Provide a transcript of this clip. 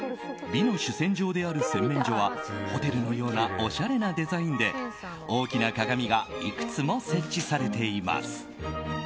美の主戦場である洗面所はホテルのようなおしゃれなデザインで大きな鏡がいくつも設置されています。